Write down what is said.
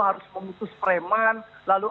harus memutus preman lalu